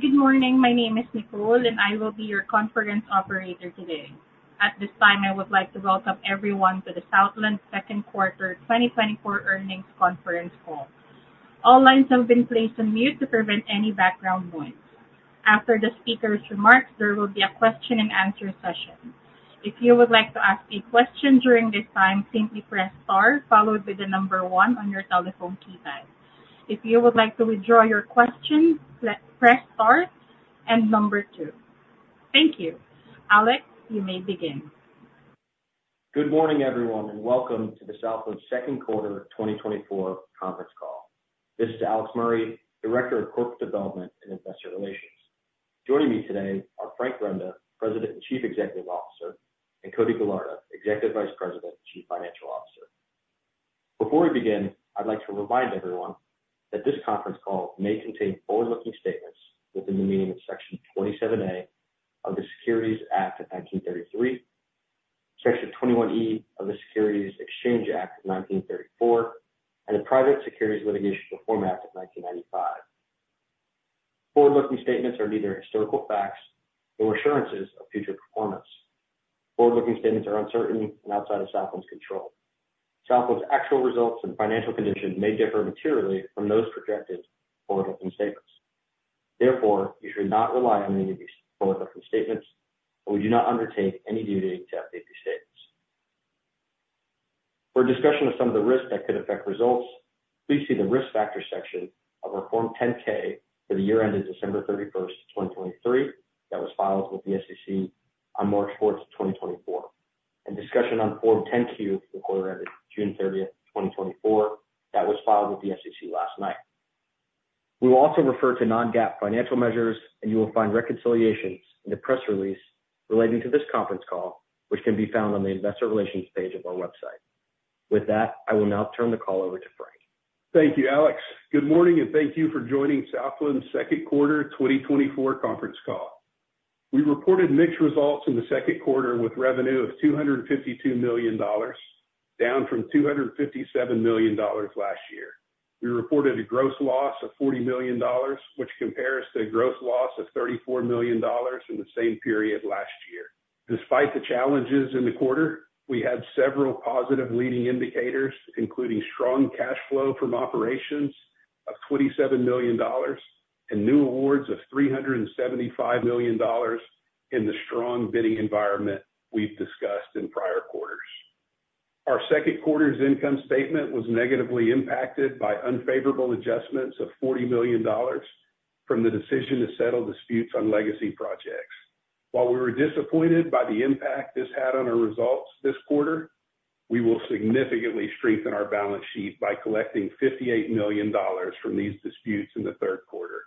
Good morning. My name is Nicole, and I will be your conference operator today. At this time, I would like to welcome everyone to the Southland second quarter 2024 earnings conference call. All lines have been placed on mute to prevent any background noise. After the speaker's remarks, there will be a question and answer session. If you would like to ask a question during this time, simply press star, followed by the number one on your telephone keypad. If you would like to withdraw your question, press star and number two. Thank you. Alex, you may begin. Good morning, everyone, and welcome to the Southland second quarter 2024 conference call. This is Alex Murray, Director of Corporate Development and Investor Relations. Joining me today are Frank Renda, President and Chief Executive Officer, and Cody Gallarda, Executive Vice President and Chief Financial Officer. Before we begin, I'd like to remind everyone that this conference call may contain forward-looking statements within the meaning of Section 27A of the Securities Act of 1933, Section 21E of the Securities Exchange Act of 1934, and the Private Securities Litigation Reform Act of 1995. Forward-looking statements are neither historical facts nor assurances of future performance. Forward-looking statements are uncertain and outside of Southland's control. Southland's actual results and financial conditions may differ materially from those projected in forward-looking statements. Therefore, you should not rely on any of these forward-looking statements, and we do not undertake any duty to update these statements. For a discussion of some of the risks that could affect results, please see the Risk Factors section of our Form 10-K for the year ended December 31, 2023, that was filed with the SEC on March 4, 2024, and discussion on Form 10-Q for the quarter ended June 30, 2024, that was filed with the SEC last night. We will also refer to non-GAAP financial measures, and you will find reconciliations in the press release relating to this conference call, which can be found on the Investor Relations page of our website. With that, I will now turn the call over to Frank. Thank you, Alex. Good morning, and thank you for joining Southland's second quarter 2024 conference call. We reported mixed results in the second quarter, with revenue of $252 million, down from $257 million last year. We reported a gross loss of $40 million, which compares to a gross loss of $34 million in the same period last year. Despite the challenges in the quarter, we had several positive leading indicators, including strong cash flow from operations of $27 million and new awards of $375 million in the strong bidding environment we've discussed in prior quarters. Our second quarter's income statement was negatively impacted by unfavorable adjustments of $40 million from the decision to settle disputes on legacy projects. While we were disappointed by the impact this had on our results this quarter, we will significantly strengthen our balance sheet by collecting $58 million from these disputes in the third quarter.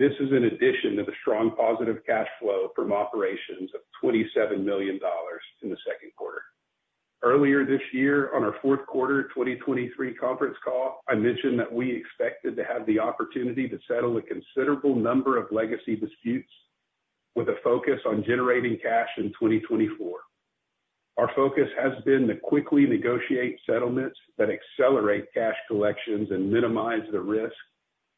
This is in addition to the strong positive cash flow from operations of $27 million in the second quarter. Earlier this year, on our fourth quarter 2023 conference call, I mentioned that we expected to have the opportunity to settle a considerable number of legacy disputes with a focus on generating cash in 2024. Our focus has been to quickly negotiate settlements that accelerate cash collections and minimize the risk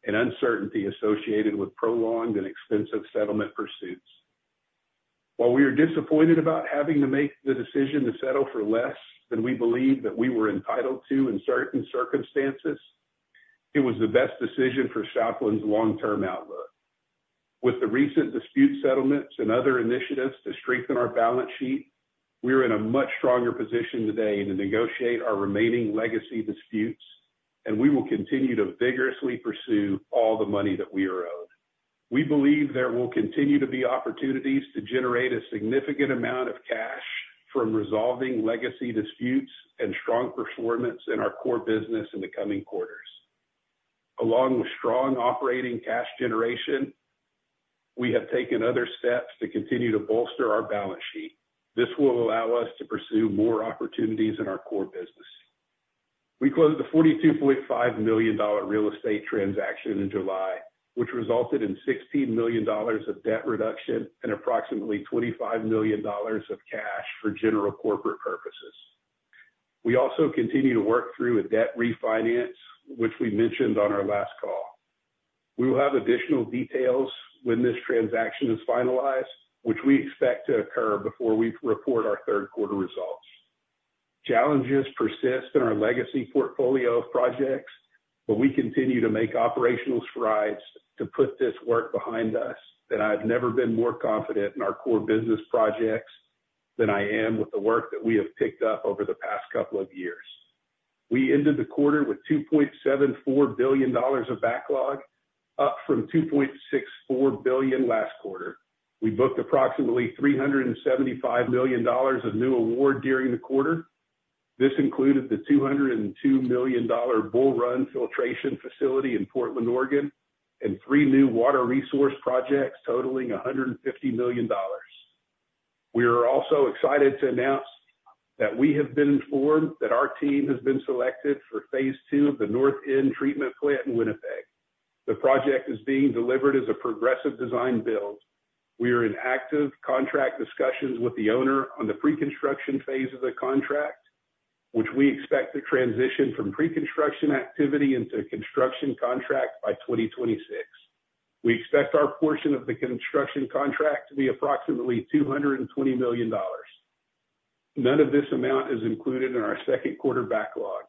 and uncertainty associated with prolonged and expensive settlement pursuits. While we are disappointed about having to make the decision to settle for less than we believe that we were entitled to in certain circumstances, it was the best decision for Southland's long-term outlook. With the recent dispute settlements and other initiatives to strengthen our balance sheet, we are in a much stronger position today to negotiate our remaining legacy disputes, and we will continue to vigorously pursue all the money that we are owed. We believe there will continue to be opportunities to generate a significant amount of cash from resolving legacy disputes and strong performance in our core business in the coming quarters. Along with strong operating cash generation, we have taken other steps to continue to bolster our balance sheet. This will allow us to pursue more opportunities in our core business. We closed a $42.5 million real estate transaction in July, which resulted in $16 million of debt reduction and approximately $25 million of cash for general corporate purposes. We also continue to work through a debt refinance, which we mentioned on our last call. We will have additional details when this transaction is finalized, which we expect to occur before we report our third quarter results. Challenges persist in our legacy portfolio of projects, but we continue to make operational strides to put this work behind us, and I've never been more confident in our core business projects than I am with the work that we have picked up over the past couple of years. We ended the quarter with $2.74 billion of backlog, up from $2.64 billion last quarter. We booked approximately $375 million of new award during the quarter. This included the $202 million Bull Run Filtration Facility in Portland, Oregon, and three new water resource projects totaling $150 million. We are also excited to announce that we have been informed that our team has been selected for phase II of the North End Treatment Plant in Winnipeg. The project is being delivered as a Progressive Design-Build. We are in active contract discussions with the owner on the pre-construction phase of the contract, which we expect to transition from pre-construction activity into a construction contract by 2026. We expect our portion of the construction contract to be approximately $220 million. None of this amount is included in our second quarter backlog.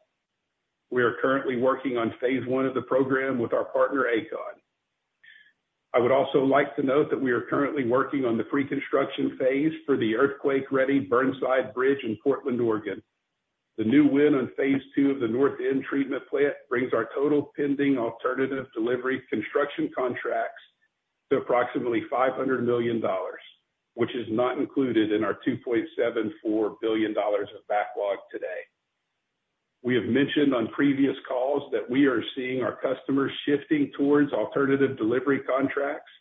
We are currently working on phase I of the program with our partner, Aecon. I would also like to note that we are currently working on the pre-construction phase for the Earthquake-Ready Burnside Bridge in Portland, Oregon. The new win on phase II of the North End Treatment Plant brings our total pending alternative delivery construction contracts to approximately $500 million, which is not included in our $2.74 billion of backlog today. We have mentioned on previous calls that we are seeing our customers shifting towards alternative delivery contracts,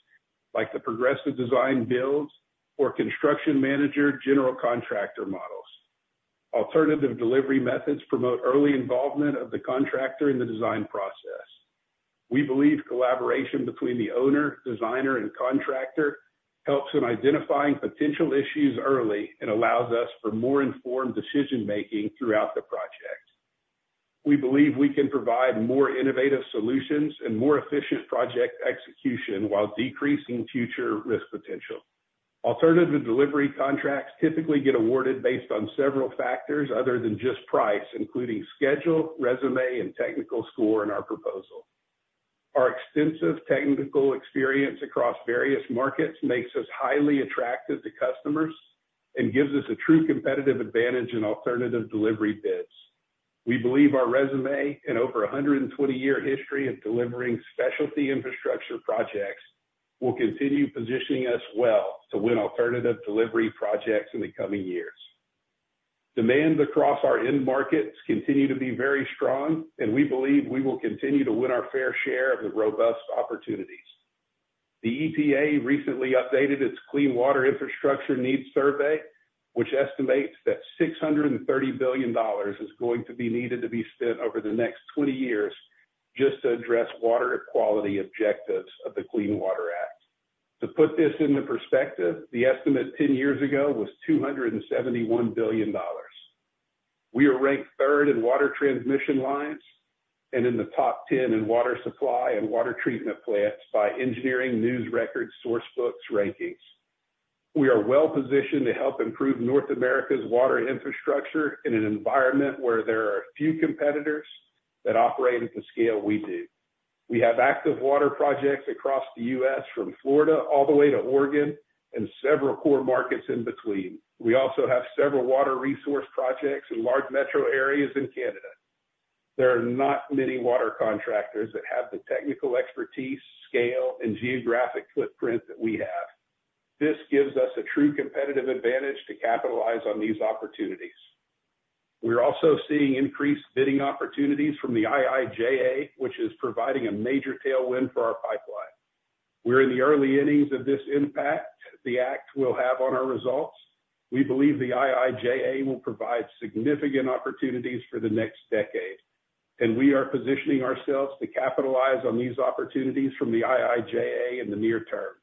like the progressive design builds or construction manager, general contractor models. Alternative delivery methods promote early involvement of the contractor in the design process. We believe collaboration between the owner, designer, and contractor helps in identifying potential issues early and allows us for more informed decision-making throughout the project. We believe we can provide more innovative solutions and more efficient project execution while decreasing future risk potential. Alternative delivery contracts typically get awarded based on several factors other than just price, including schedule, resume, and technical score in our proposal. Our extensive technical experience across various markets makes us highly attractive to customers and gives us a true competitive advantage in alternative delivery bids. We believe our resume and over a 120-year history of delivering specialty infrastructure projects will continue positioning us well to win alternative delivery projects in the coming years. Demands across our end markets continue to be very strong, and we believe we will continue to win our fair share of the robust opportunities. The EPA recently updated its Clean Water Infrastructure Needs survey, which estimates that $630 billion is going to be needed to be spent over the next 20 years just to address water quality objectives of the Clean Water Act. To put this into perspective, the estimate 10 years ago was $271 billion. We are ranked third in water transmission lines and in the top 10 in water supply and water treatment plants by Engineering News-Record Sourcebooks rankings. We are well positioned to help improve North America's water infrastructure in an environment where there are few competitors that operate at the scale we do. We have active water projects across the U.S., from Florida all the way to Oregon, and several core markets in between. We also have several water resource projects in large metro areas in Canada. There are not many water contractors that have the technical expertise, scale, and geographic footprint that we have. This gives us a true competitive advantage to capitalize on these opportunities. We're also seeing increased bidding opportunities from the IIJA, which is providing a major tailwind for our pipeline. We're in the early innings of this impact the act will have on our results. We believe the IIJA will provide significant opportunities for the next decade, and we are positioning ourselves to capitalize on these opportunities from the IIJA in the near term.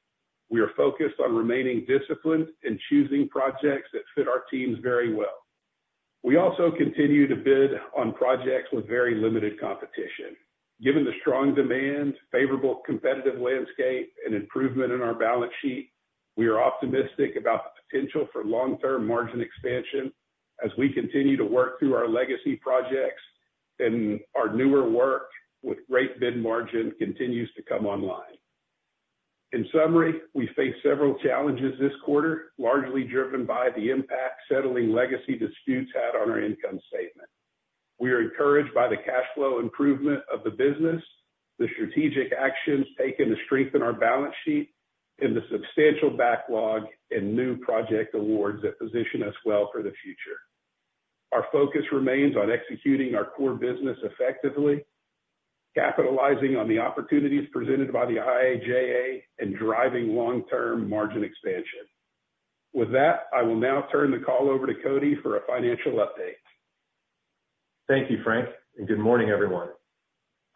We are focused on remaining disciplined and choosing projects that fit our teams very well. We also continue to bid on projects with very limited competition. Given the strong demand, favorable competitive landscape, and improvement in our balance sheet, we are optimistic about the potential for long-term margin expansion as we continue to work through our legacy projects and our newer work with great bid margin continues to come online. In summary, we faced several challenges this quarter, largely driven by the impact settling legacy disputes had on our income statement. We are encouraged by the cash flow improvement of the business, the strategic actions taken to strengthen our balance sheet, and the substantial backlog and new project awards that position us well for the future. Our focus remains on executing our core business effectively, capitalizing on the opportunities presented by the IIJA, and driving long-term margin expansion. With that, I will now turn the call over to Cody for a financial update. Thank you, Frank, and good morning, everyone.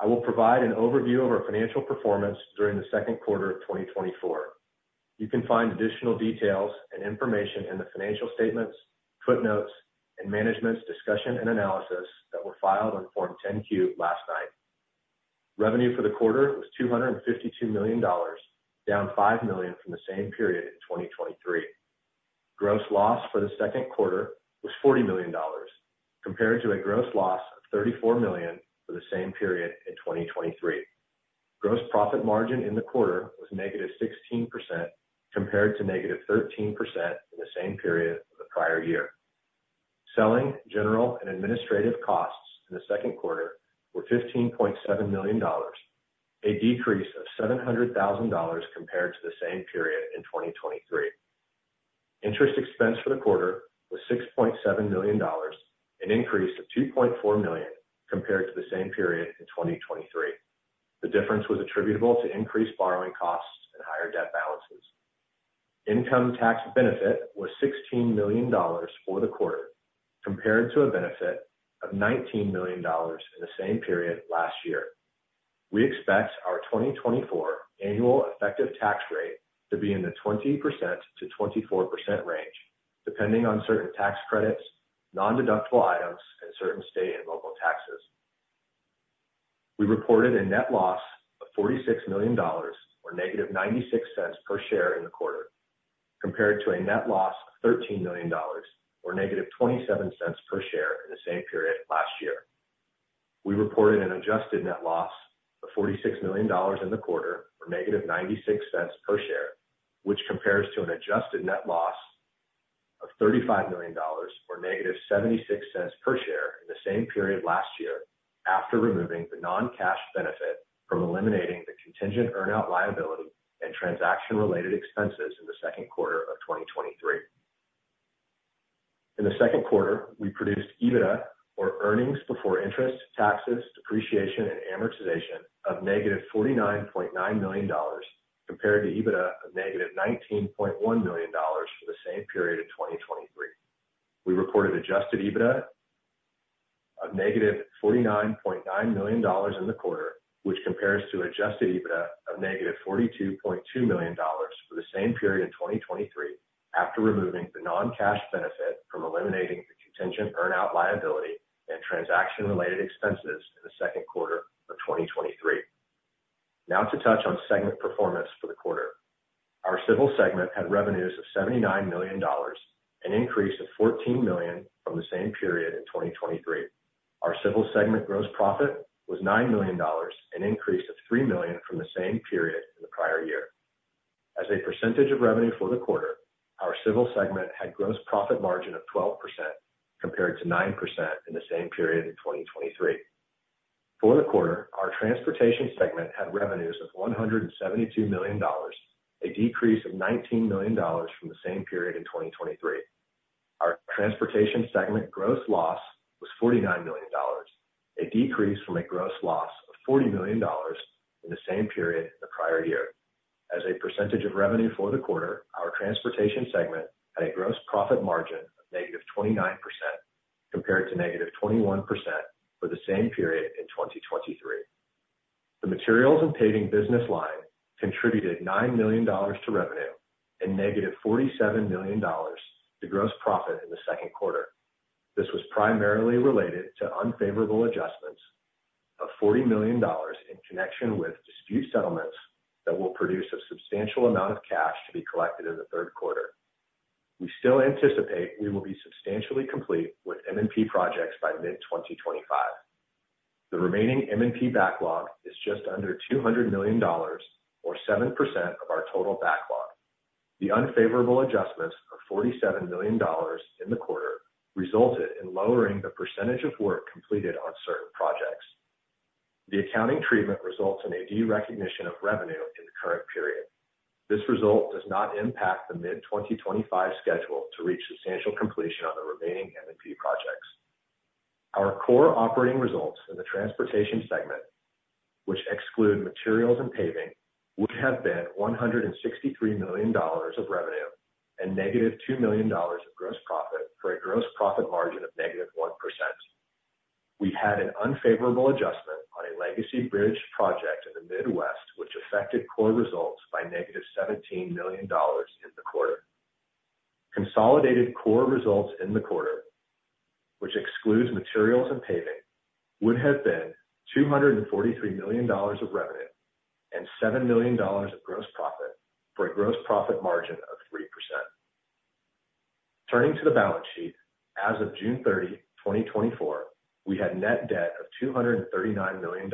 I will provide an overview of our financial performance during the second quarter of 2024. You can find additional details and information in the financial statements, footnotes, and management's discussion and analysis that were filed on Form 10-Q last night. Revenue for the quarter was $252 million, down $5 million from the same period in 2023. Gross loss for the second quarter was $40 million, compared to a gross loss of $34 million for the same period in 2023. Gross profit margin in the quarter was -16%, compared to -13% in the same period of the prior year. Selling, general, and administrative costs in the second quarter were $15.7 million, a decrease of $700,000 compared to the same period in 2023. Interest expense for the quarter was $6.7 million, an increase of $2.4 million compared to the same period in 2023. The difference was attributable to increased borrowing costs and higher debt balances. Income tax benefit was $16 million for the quarter, compared to a benefit of $19 million in the same period last year.... We expect our 2024 annual effective tax rate to be in the 20%-24% range, depending on certain tax credits, nondeductible items, and certain state and local taxes. We reported a net loss of $46 million, or -$0.96 per share in the quarter, compared to a net loss of $13 million, or -$0.27 per share in the same period last year. We reported an adjusted net loss of $46 million in the quarter, or -$0.96 per share, which compares to an adjusted net loss of $35 million, or -$0.76 per share in the same period last year, after removing the non-cash benefit from eliminating the contingent earn-out liability and transaction-related expenses in the second quarter of 2023. In the second quarter, we produced EBITDA, or earnings before interest, taxes, depreciation, and amortization, of -$49.9 million, compared to EBITDA of -$19.1 million for the same period in 2023. We reported Adjusted EBITDA of -$49.9 million in the quarter, which compares to Adjusted EBITDA of -$42.2 million for the same period in 2023, after removing the non-cash benefit from eliminating the contingent earn-out liability and transaction-related expenses in the second quarter of 2023. Now to touch on segment performance for the quarter. Our Civil segment had revenues of $79 million, an increase of $14 million from the same period in 2023. Our Civil segment gross profit was $9 million, an increase of $3 million from the same period in the prior year. As a percentage of revenue for the quarter, our Civil segment had gross profit margin of 12%, compared to 9% in the same period in 2023. For the quarter, our Transportation segment had revenues of $172 million, a decrease of $19 million from the same period in 2023. Our Transportation segment gross loss was $49 million, a decrease from a gross loss of $40 million in the same period in the prior year. As a percentage of revenue for the quarter, our Transportation segment had a gross profit margin of -29%, compared to -21% for the same period in 2023. The Materials and Paving business line contributed $9 million to revenue and -$47 million to gross profit in the second quarter. This was primarily related to unfavorable adjustments of $40 million in connection with dispute settlements that will produce a substantial amount of cash to be collected in the third quarter. We still anticipate we will be substantially complete with M&P projects by mid-2025. The remaining M&P backlog is just under $200 million, or 7% of our total backlog. The unfavorable adjustments of $47 million in the quarter resulted in lowering the percentage of work completed on certain projects. The accounting treatment results in a derecognition of revenue in the current period. This result does not impact the mid-2025 schedule to reach substantial completion on the remaining M&P projects. Our core operating results in the Transportation segment, which exclude materials and paving, would have been $163 million of revenue and -$2 million of gross profit, for a gross profit margin of -1%. We had an unfavorable adjustment on a legacy bridge project in the Midwest, which affected core results by -$17 million in the quarter. Consolidated core results in the quarter, which excludes materials and paving, would have been $243 million of revenue and $7 million of gross profit, for a gross profit margin of 3%. Turning to the balance sheet, as of June 30, 2024, we had net debt of $239 million,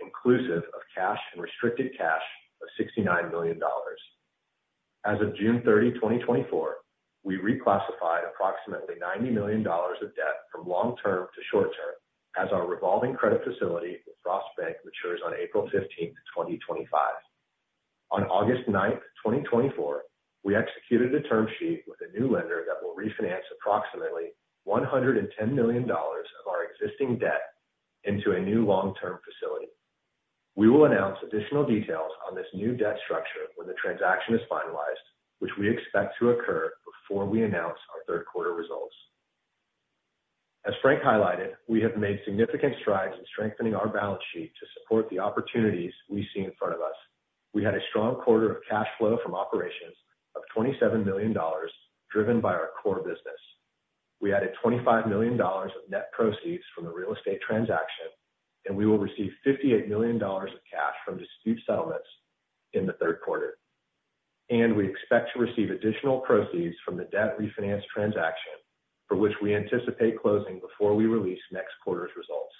inclusive of cash and restricted cash of $69 million. As of June 30, 2024, we reclassified approximately $90 million of debt from long term to short term, as our revolving credit facility with Frost Bank matures on April 15, 2025. On August 9, 2024, we executed a term sheet with a new lender that will refinance approximately $110 million of our existing debt into a new long-term facility. We will announce additional details on this new debt structure when the transaction is finalized, which we expect to occur before we announce our third quarter results. As Frank highlighted, we have made significant strides in strengthening our balance sheet to support the opportunities we see in front of us. We had a strong quarter of cash flow from operations of $27 million, driven by our core business. We added $25 million of net proceeds from the real estate transaction, and we will receive $58 million of cash from dispute settlements in the third quarter. We expect to receive additional proceeds from the debt refinance transaction, for which we anticipate closing before we release next quarter's results.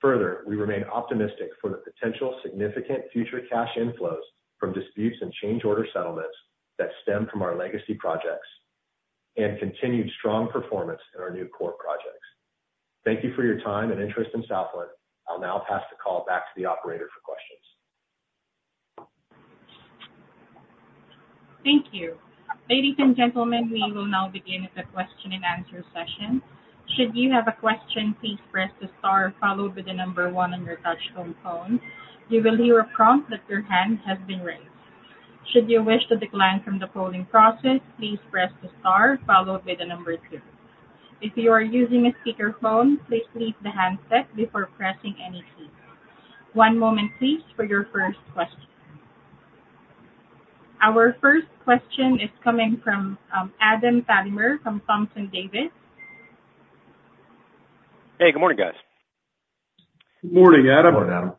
Further, we remain optimistic for the potential significant future cash inflows from disputes and change order settlements that stem from our legacy projects, and continued strong performance in our new core projects. Thank you for your time and interest in Southland. I'll now pass the call back to the operator for questions. Thank you. Ladies and gentlemen, we will now begin with the question-and-answer session. Should you have a question, please press the star followed by the number one on your touchtone phone. You will hear a prompt that your hand has been raised.... Should you wish to decline from the polling process, please press the star followed by the number two. If you are using a speakerphone, please leave the handset before pressing any keys. One moment, please, for your first question. Our first question is coming from, Adam Thalhimer from Thompson Davis. Hey, good morning, guys. Good morning, Adam. Good morning, Adam.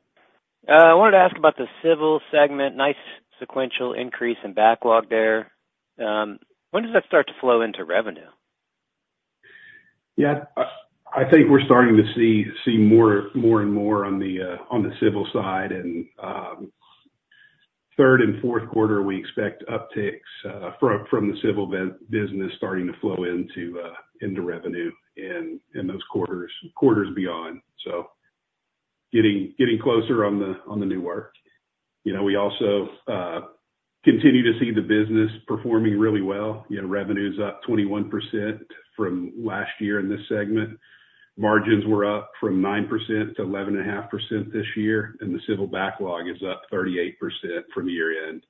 I wanted to ask about the Civil segment. Nice sequential increase in backlog there. When does that start to flow into revenue? Yeah, I think we're starting to see more and more on the civil side, and third and fourth quarter, we expect upticks from the civil business starting to flow into revenue in those quarters beyond. So getting closer on the new work. You know, we also continue to see the business performing really well. You know, revenue's up 21% from last year in this segment. Margins were up from 9%-11.5% this year, and the civil backlog is up 38% from year-end.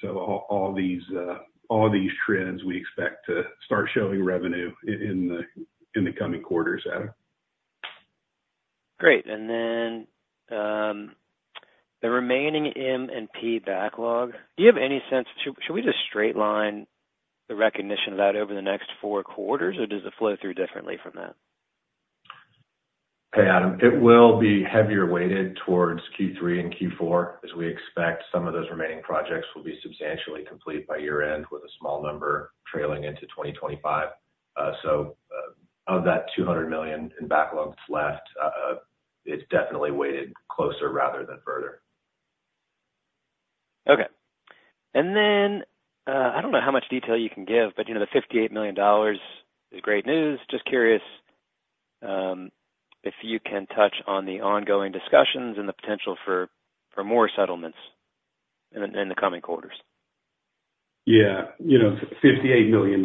So all these trends, we expect to start showing revenue in the coming quarters, Adam. Great. And then, the remaining M&P backlog, do you have any sense, should we just straight line the recognition of that over the next four quarters, or does it flow through differently from that? Hey, Adam, it will be heavier weighted towards Q3 and Q4, as we expect some of those remaining projects will be substantially complete by year-end, with a small number trailing into 2025. Of that $200 million in backlogs left, it's definitely weighted closer rather than further. Okay. And then, I don't know how much detail you can give, but, you know, the $58 million is great news. Just curious, if you can touch on the ongoing discussions and the potential for more settlements in the coming quarters. Yeah. You know, $58 million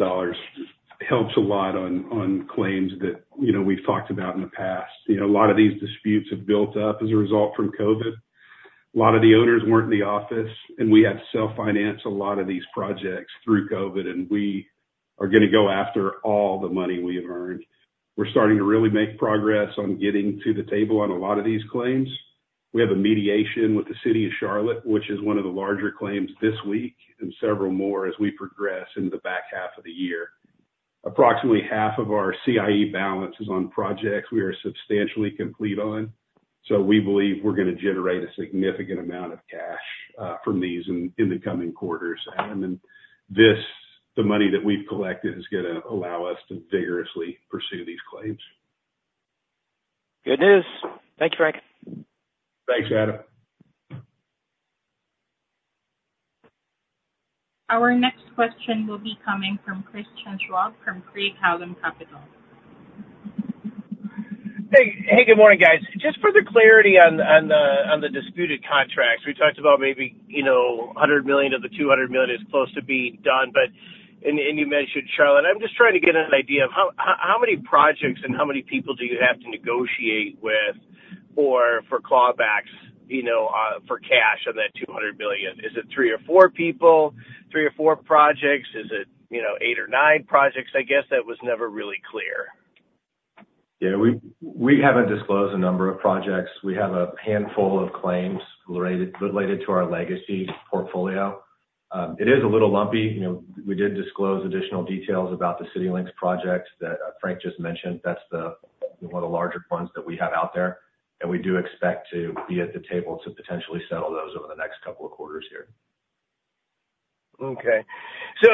helps a lot on claims that, you know, we've talked about in the past. You know, a lot of these disputes have built up as a result from COVID. A lot of the owners weren't in the office, and we had to self-finance a lot of these projects through COVID, and we are gonna go after all the money we have earned. We're starting to really make progress on getting to the table on a lot of these claims. We have a mediation with the city of Charlotte, which is one of the larger claims this week, and several more as we progress into the back half of the year. Approximately half of our CIE balance is on projects we are substantially complete on, so we believe we're gonna generate a significant amount of cash from these in the coming quarters. And then this, the money that we've collected, is gonna allow us to vigorously pursue these claims. Good news. Thanks, Frank. Thanks, Adam. Our next question will be coming from Christian Schwab from Craig-Hallum Capital. Hey, hey, good morning, guys. Just further clarity on the disputed contracts. We talked about maybe, you know, $100 million of the $200 million is close to being done, but and you mentioned Charlotte. I'm just trying to get an idea of how many projects and how many people do you have to negotiate with or for clawbacks, you know, for cash on that $200 million? Is it three or four people, three or four projects? Is it, you know, eight or nine projects? I guess that was never really clear. Yeah, we haven't disclosed a number of projects. We have a handful of claims related to our legacy portfolio. It is a little lumpy. You know, we did disclose additional details about the CityLYNX project that Frank just mentioned. That's the one of the larger ones that we have out there, and we do expect to be at the table to potentially settle those over the next couple of quarters here. Okay. So,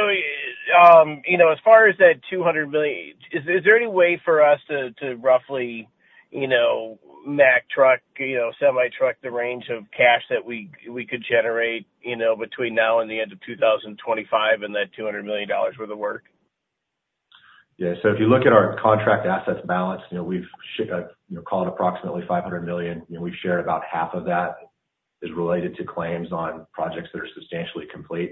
you know, as far as that $200 million, is there any way for us to roughly, you know, Mack truck, you know, semi-truck, the range of cash that we could generate, you know, between now and the end of 2025 and that $200 million worth of work? Yeah. So if you look at our contract assets balance, you know, we've, you know, called it approximately $500 million, and we've shared about $250 million of that is related to claims on projects that are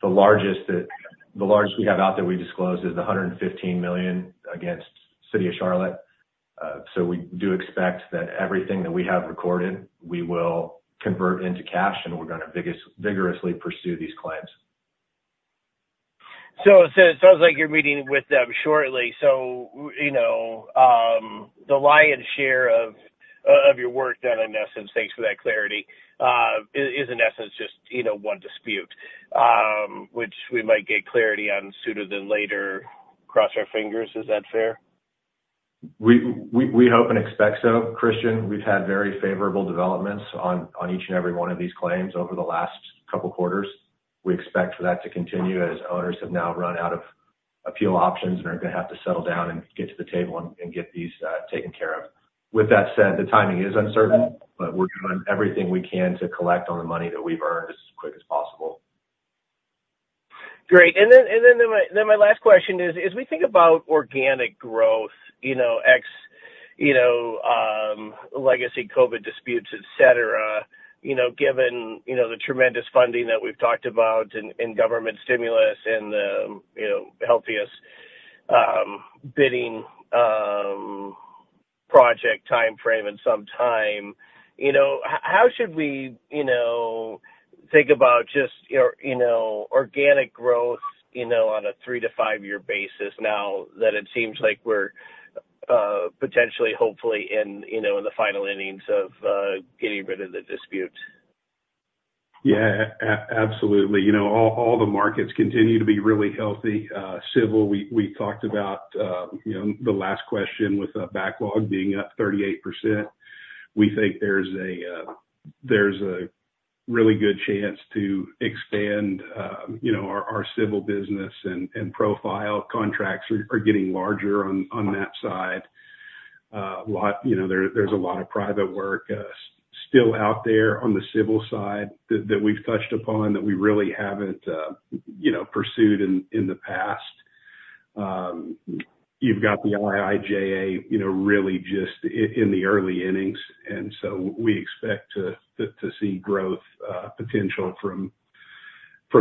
substantially complete. The largest we have out there, we disclosed, is the $115 million against City of Charlotte. So we do expect that everything that we have recorded, we will convert into cash, and we're gonna vigorously pursue these claims. So it sounds like you're meeting with them shortly. So, you know, the lion's share of your work done, in essence, thanks for that clarity, is in essence just, you know, one dispute, which we might get clarity on sooner than later. Cross our fingers, is that fair? We hope and expect so, Christian. We've had very favorable developments on each and every one of these claims over the last couple quarters. We expect for that to continue, as owners have now run out of appeal options and are gonna have to settle down and get to the table and get these taken care of. With that said, the timing is uncertain, but we're doing everything we can to collect on the money that we've earned as quick as possible. Great. And then my last question is: As we think about organic growth, you know, ex, you know, legacy COVID disputes, et cetera, you know, given, you know, the tremendous funding that we've talked about in government stimulus and the, you know, healthiest bidding project timeframe and some time, you know, how should we, you know, think about just, you know, organic growth, you know, on a three to five year basis now that it seems like we're potentially, hopefully in, you know, in the final innings of getting rid of the dispute? Yeah, absolutely. You know, all the markets continue to be really healthy. Civil, we talked about, you know, the last question with the backlog being up 38%. We think there's a really good chance to expand, you know, our civil business and profile contracts are getting larger on that side. You know, there's a lot of private work still out there on the civil side that we've touched upon that we really haven't, you know, pursued in the past. You've got the IIJA, you know, really just in the early innings, and so we expect to see growth potential from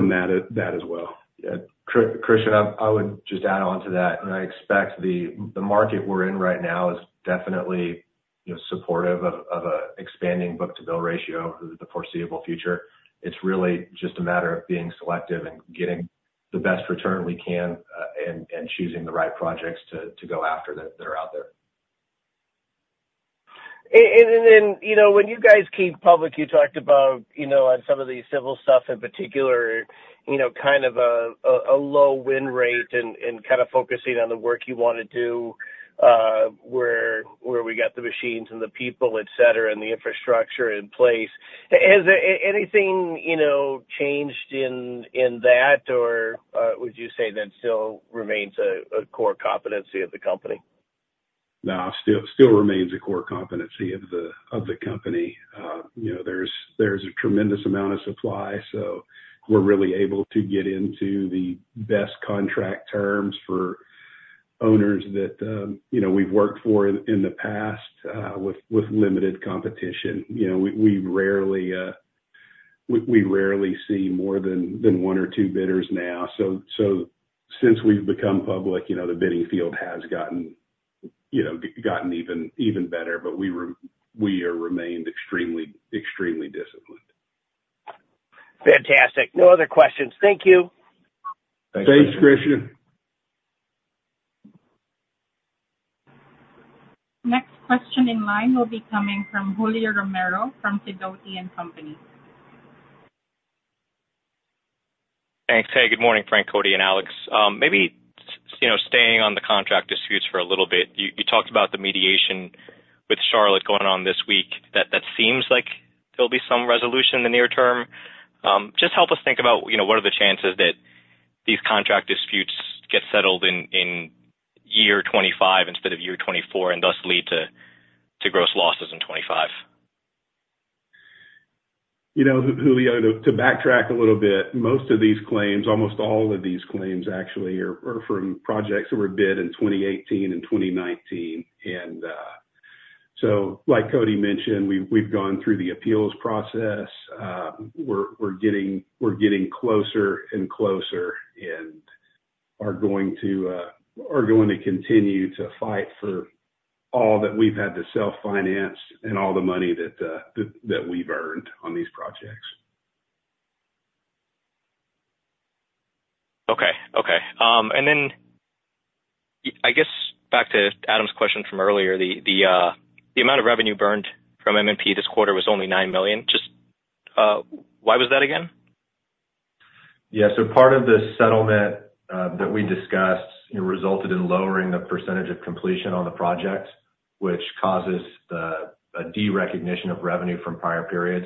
that as well. Yeah. Christian, I would just add on to that, and I expect the market we're in right now is definitely, you know, supportive of a expanding book-to-bill ratio through the foreseeable future. It's really just a matter of being selective and getting the best return we can, and choosing the right projects to go after that are out there. And then, you know, when you guys came public, you talked about, you know, on some of the civil stuff in particular, you know, kind of a low win rate and kind of focusing on the work you want to do, where we got the machines and the people, et cetera, and the infrastructure in place. Has anything, you know, changed in that, or would you say that still remains a core competency of the company? No, still remains a core competency of the company. You know, there's a tremendous amount of supply, so we're really able to get into the best contract terms for owners that, you know, we've worked for in the past, with limited competition. You know, we rarely see more than one or two bidders now. So since we've become public, you know, the bidding field has gotten even better, but we have remained extremely disciplined. Fantastic. No other questions. Thank you. Thanks. Thanks, Christian. Next question in line will be coming from Julio Romero from Sidoti & Company. Thanks. Hey, good morning, Frank, Cody, and Alex. Maybe, you know, staying on the contract disputes for a little bit, you talked about the mediation with Charlotte going on this week, that seems like there'll be some resolution in the near term. Just help us think about, you know, what are the chances that these contract disputes get settled in year 2025 instead of year 2024, and thus lead to gross losses in 2025? You know, Julio, to backtrack a little bit, most of these claims, almost all of these claims actually are from projects that were bid in 2018 and 2019. So like Cody mentioned, we've gone through the appeals process. We're getting closer and closer and are going to continue to fight for all that we've had to self-finance and all the money that we've earned on these projects. Okay. Okay. And then I guess back to Adam's question from earlier, the amount of revenue burned from M&P this quarter was only $9 million. Just, why was that again? Yeah. So part of the settlement that we discussed, you know, resulted in lowering the percentage of completion on the project, which causes a derecognition of revenue from prior periods.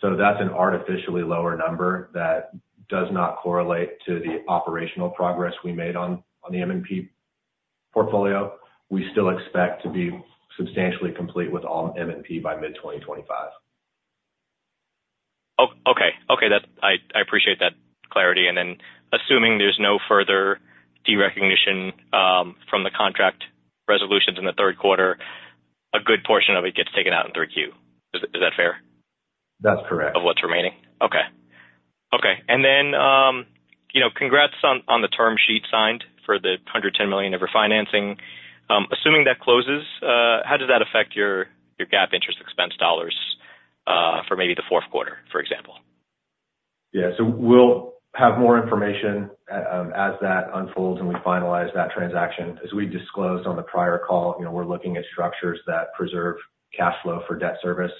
So that's an artificially lower number that does not correlate to the operational progress we made on the M&P portfolio. We still expect to be substantially complete with all M&P by mid-2025. Okay. Okay, that's... I appreciate that clarity. And then assuming there's no further derecognition from the contract resolutions in the third quarter, a good portion of it gets taken out in 3Q. Is that fair? That's correct. Of what's remaining? Okay. Okay. And then, you know, congrats on the term sheet signed for the $110 million of refinancing. Assuming that closes, how does that affect your GAAP interest expense dollars for maybe the fourth quarter, for example? Yeah. So we'll have more information as that unfolds, and we finalize that transaction. As we disclosed on the prior call, you know, we're looking at structures that preserve cash flow for debt service,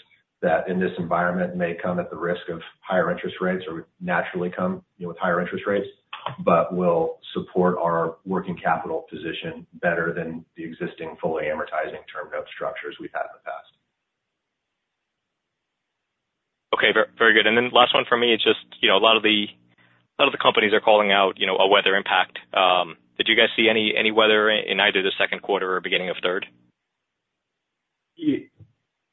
that in this environment may come at the risk of higher interest rates or naturally come, you know, with higher interest rates, but will support our working capital position better than the existing fully amortizing term note structures we've had in the past. Okay, very good. And then last one for me, it's just, you know, a lot of the, lot of the companies are calling out, you know, a weather impact. Did you guys see any weather in either the second quarter or beginning of third? You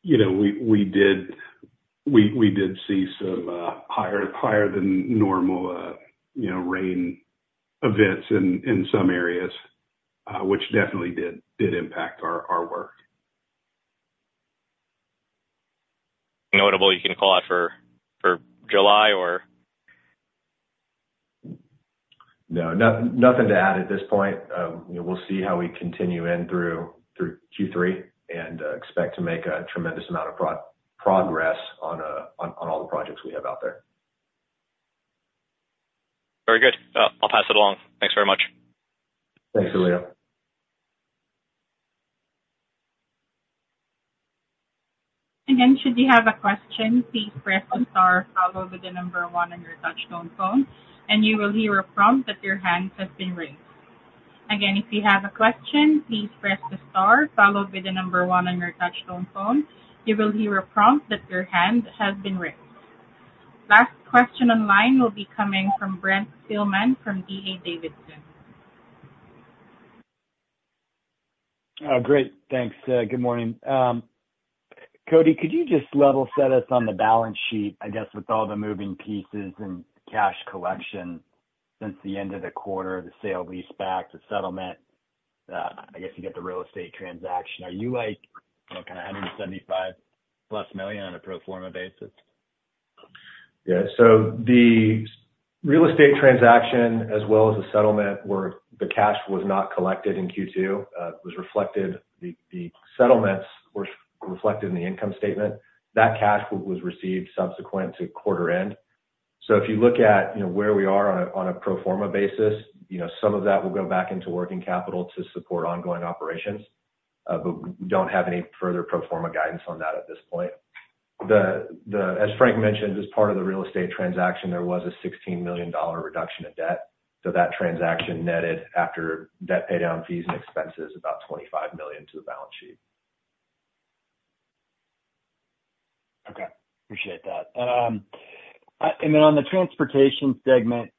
know, we did see some higher than normal, you know, rain events in some areas, which definitely did impact our work. Notable, you can call out for July or? ... No, no - nothing to add at this point. You know, we'll see how we continue through Q3, and expect to make a tremendous amount of progress on all the projects we have out there. Very good. I'll pass it along. Thanks very much. Thanks, Julio. Again, should you have a question, please press star, followed by the number one on your touchtone phone, and you will hear a prompt that your hand has been raised. Again, if you have a question, please press star followed by the number one on your touchtone phone. You will hear a prompt that your hand has been raised. Last question online will be coming from Brent Thielman from D.A. Davidson. Great, thanks. Good morning. Cody, could you just level set us on the balance sheet, I guess, with all the moving pieces and cash collection since the end of the quarter, the sale lease back, the settlement, I guess, you get the real estate transaction. Are you like, you know, kind of $175 million+ on a pro forma basis? Yeah. So the real estate transaction, as well as the settlement, were. The cash was not collected in Q2, was reflected, the, the settlements were reflected in the income statement. That cash was received subsequent to quarter end. So if you look at, you know, where we are on a, on a pro forma basis, you know, some of that will go back into working capital to support ongoing operations, but we don't have any further pro forma guidance on that at this point. The, the, as Frank mentioned, as part of the real estate transaction, there was a $16 million reduction of debt. So that transaction netted after debt paydown fees and expenses, about $25 million to the balance sheet. Okay, appreciate that. And then on the Transportation segment,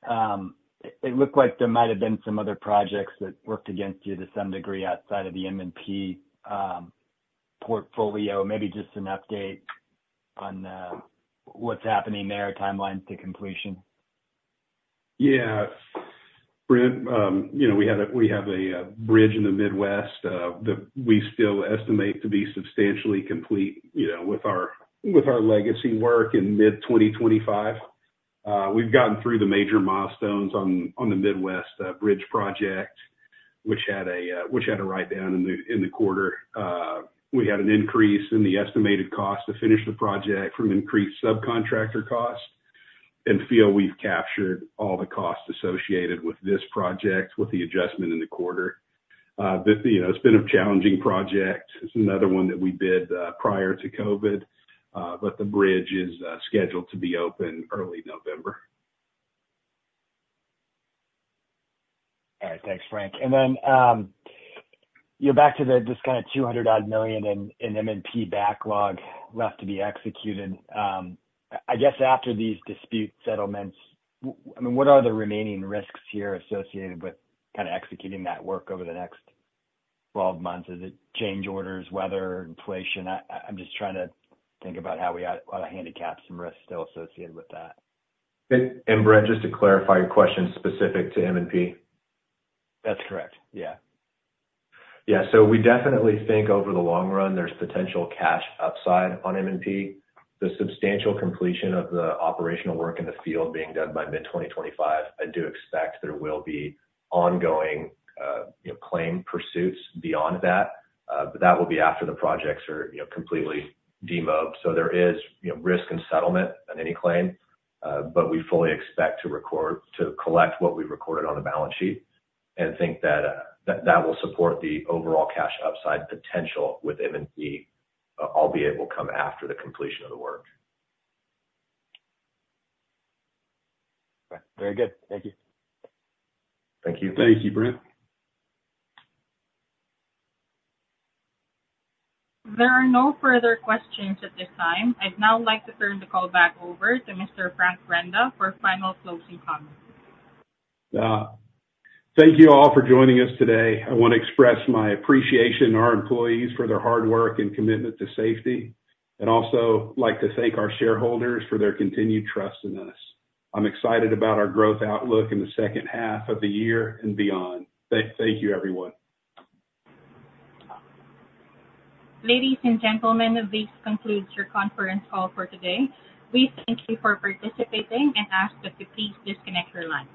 it looked like there might have been some other projects that worked against you to some degree outside of the M&P portfolio. Maybe just an update on what's happening there, timelines to completion? Yeah. Brent, you know, we have a bridge in the Midwest that we still estimate to be substantially complete, you know, with our legacy work in mid-2025. We've gotten through the major milestones on the Midwest bridge project, which had a write-down in the quarter. We had an increase in the estimated cost to finish the project from increased subcontractor costs and feel we've captured all the costs associated with this project, with the adjustment in the quarter. You know, it's been a challenging project. It's another one that we bid prior to COVID, but the bridge is scheduled to be open early November. All right. Thanks, Frank. And then, you know, back to the just kind of $200-odd million in M&P backlog left to be executed. I guess after these dispute settlements, I mean, what are the remaining risks here associated with kind of executing that work over the next 12 months? Is it change orders, weather, inflation? I'm just trying to think about how we ought to handicap some risks still associated with that. And, Brent, just to clarify, your question is specific to M&P? That's correct. Yeah. Yeah. So we definitely think over the long run, there's potential cash upside on M&P. The substantial completion of the operational work in the field being done by mid-2025, I do expect there will be ongoing, you know, claim pursuits beyond that. But that will be after the projects are, you know, completely demobbed. So there is, you know, risk and settlement on any claim, but we fully expect to record... to collect what we've recorded on the balance sheet and think that, that, that will support the overall cash upside potential with M&P, albeit it will come after the completion of the work. Okay, very good. Thank you. Thank you. Thank you, Brent. There are no further questions at this time. I'd now like to turn the call back over to Mr. Frank Renda for final closing comments. Thank you all for joining us today. I want to express my appreciation to our employees for their hard work and commitment to safety, and also like to thank our shareholders for their continued trust in us. I'm excited about our growth outlook in the second half of the year and beyond. Thank you, everyone. Ladies and gentlemen, this concludes your conference call for today. We thank you for participating and ask that you please disconnect your line.